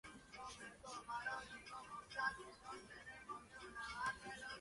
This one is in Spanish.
Se encuentra en Mauricio, Reunión y Comoras.